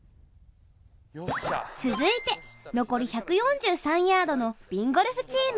続いて残り１４３ヤードのＢＩＮＧＯＬＦチーム。